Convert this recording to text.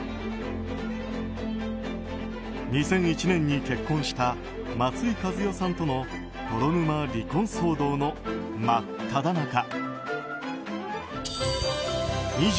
２００１年に結婚した松居一代さんとの泥沼離婚騒動の真っただ中。